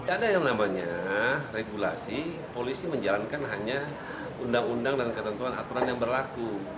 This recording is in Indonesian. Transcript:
ada yang namanya regulasi polisi menjalankan hanya undang undang dan ketentuan aturan yang berlaku